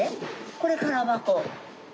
これ空箱。